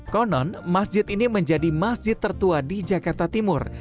konon masjid ini menjadi masjid tertua di jakarta timur